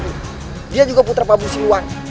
buangku dia juga putra pabusiwan